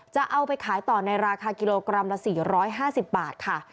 จะเอาไปขายต่อในราคากิโลกรัมละ๔๕๐บาทค่ะ